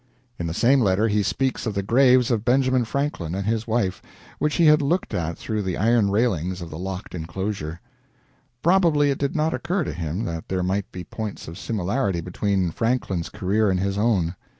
In the same letter he speaks of the graves of Benjamin Franklin and his wife, which he had looked at through the iron railing of the locked inclosure. Probably it did not occur to him that there might be points of similarity between Franklin's career and his own.